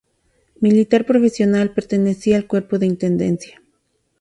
Militar profesional, pertenecía al cuerpo de intendencia.